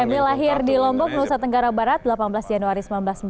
emil lahir di lombok nusa tenggara barat delapan belas januari sembilan belas